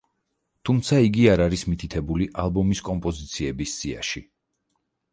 თუმცა, იგი არ არის მითითებული ალბომის კომპოზიციების სიაში.